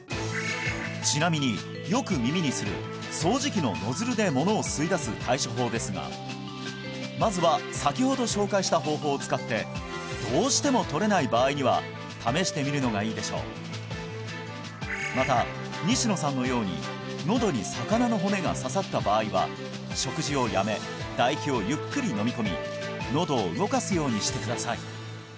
ちなみによく耳にする掃除機のノズルでものを吸い出す対処法ですがまずは先ほど紹介した方法を使ってどうしても取れない場合には試してみるのがいいでしょうまた西野さんのように喉に魚の骨が刺さった場合は食事をやめ唾液をゆっくり飲み込み喉を動かすようにしてください